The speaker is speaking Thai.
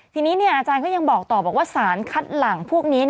ทีนี้อาจารย์ก็ยังบอกต่อบอกว่าสารคัดหลังพวกนี้